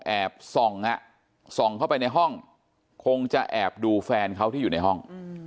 ส่องส่องเข้าไปในห้องคงจะแอบดูแฟนเขาที่อยู่ในห้อง